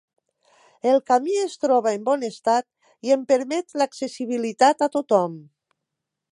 El camí es troba en bon estat, i en permet l’accessibilitat a tothom.